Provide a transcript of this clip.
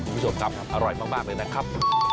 พี่สมครับอร่อยมากเลยนะครับ